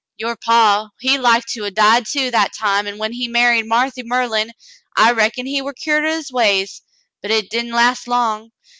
Your paw, he like to 'a' died too that time, an' when he married Marthy Merlin, I reckoned he war cured o' his ways ; but hit did'n' last long.